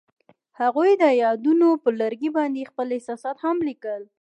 هغوی د یادونه پر لرګي باندې خپل احساسات هم لیکل.